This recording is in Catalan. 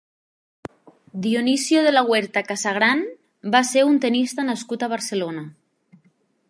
Dionisio de la Huerta Casagrán va ser un tenista nascut a Barcelona.